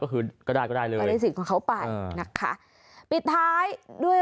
คืนก็ได้ก็ได้เลยก็ได้สิทธิ์ของเขาไปนะคะปิดท้ายด้วย